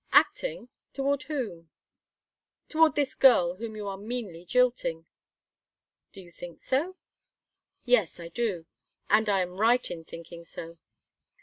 "Acting? Toward whom?" "Toward this girl whom you are meanly jilting." "Do you think so?" "Yes, I do think so and I am right in thinking so."